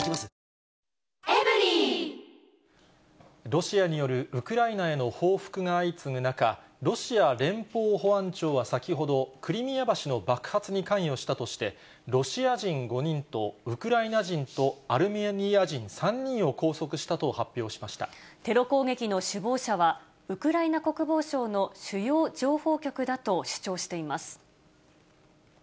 ロシアによるウクライナへの報復が相次ぐ中、ロシア連邦保安庁は先ほど、クリミア橋の爆発に関与したとして、ロシア人５人とウクライナ人とアルメニア人３人を拘束したと発表テロ攻撃の首謀者は、ウクライナ国防省の主要情報局だと主張しています。